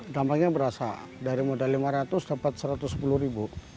dampaknya berasa dari modal lima ratus dapat satu ratus sepuluh ribu